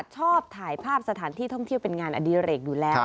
ชอบถ่ายภาพสถานที่ท่องเที่ยวเป็นงานอดิเรกอยู่แล้ว